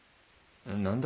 何だ？